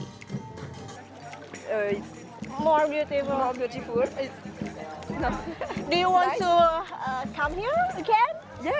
keren banget selamat menikmati